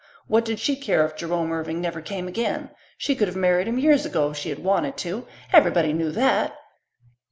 What did she care if Jerome Irving never came again? She could have married him years ago if she had wanted to everybody knew that!